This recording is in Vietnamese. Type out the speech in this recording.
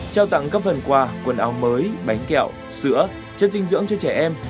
trao tặng các phần quà quần áo mới bánh kẹo sữa chất dinh dưỡng cho trẻ em